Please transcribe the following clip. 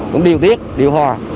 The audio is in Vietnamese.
cũng điều tiết điều hòa